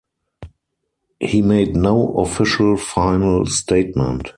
He made no official final statement.